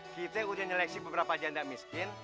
kita udah nyeleksi beberapa janda miskin